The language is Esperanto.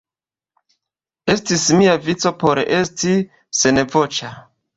Estis mia vico por esti senvoĉa.